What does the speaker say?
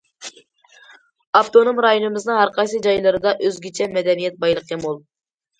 ئاپتونوم رايونىمىزنىڭ ھەر قايسى جايلىرىدا ئۆزگىچە مەدەنىيەت بايلىقى مول.